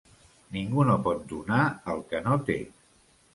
Ningú no pot donar el que no té.